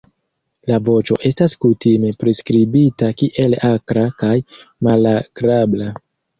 La voĉo estas kutime priskribita kiel akra kaj malagrabla.